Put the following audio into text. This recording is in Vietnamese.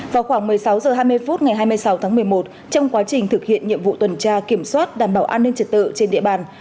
vào khoảng một mươi sáu h hai mươi phút ngày hai mươi sáu tháng một mươi một trong quá trình thực hiện nhiệm vụ tuần tra kiểm soát đảm bảo an ninh trật tự trên địa bàn